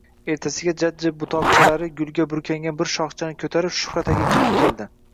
Ertasiga jajji butoqchalari gulga burkangan bir shoxchani ko‘tarib Shuhrat aka kirib keldi.